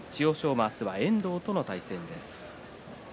馬、明日は遠藤との対戦です。